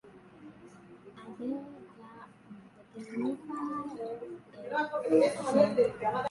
Alberga un pequeño faro todavía en uso.